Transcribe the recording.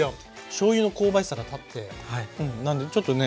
しょうゆの香ばしさが立ってなんでちょっとね